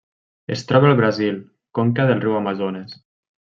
Es troba al Brasil: conca del riu Amazones.